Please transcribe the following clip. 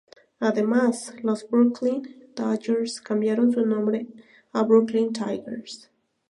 Además, los Brooklyn Dodgers cambiaron su nombre a Brooklyn Tigers.